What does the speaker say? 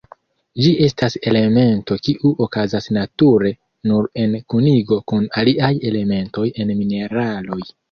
Ĝi estas elemento kiu okazas nature nur en kunigo kun aliaj elementoj en mineraloj.